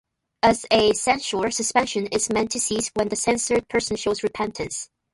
As a censure, suspension is meant to cease when the censured person shows repentance.